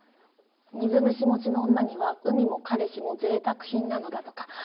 「水虫持ちの女には海も彼氏も贅沢品なのだ」とか。